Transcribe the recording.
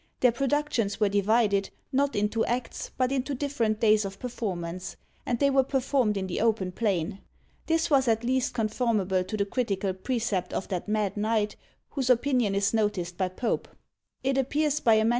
Their productions were divided, not into acts, but into different days of performance, and they were performed in the open plain. This was at least conformable to the critical precept of that mad knight whose opinion is noticed by Pope. It appears by a MS.